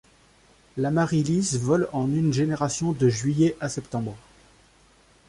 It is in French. L'Amaryllis vole en une génération de juillet à septembre.